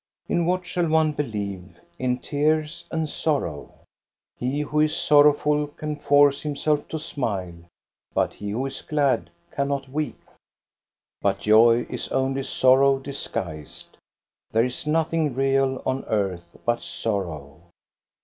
In what shall one believe? In tears and sorrow! He who is sorrowful can force himself to smile, but he who is glad cannot weep. But joy is only sorrow disguised. There is nothing real on earth but sorrow.